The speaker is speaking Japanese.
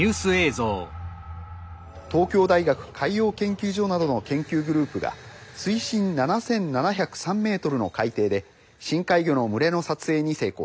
「東京大学海洋研究所などの研究グループが水深７，７０３ｍの海底で深海魚の群れの撮影に成功しました」。